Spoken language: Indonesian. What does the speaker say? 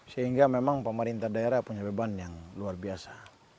sehingga memang pemerintah daerah punya beban yang luar biasa